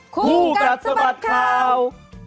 ครู่กันสบัตรคราว